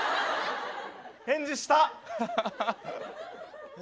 返事した！